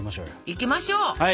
いきましょう！